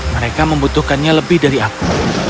mereka membutuhkannya lebih dari aku